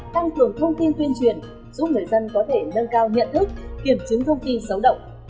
tăng cường thông tin tuyên truyền giúp người dân có thể nâng cao nhận thức kiểm chứng thông tin xấu động